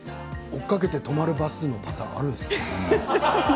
追っかけて止まるバスのパターンがあるんですね。